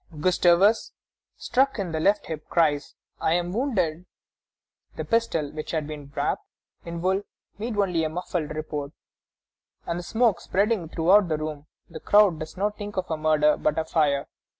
Gustavus, struck in the left hip, cries, "I am wounded!" The pistol, which had been wrapped in wool, made only a muffled report, and the smoke spreading throughout the room, the crowd does not think of a murder, but a fire.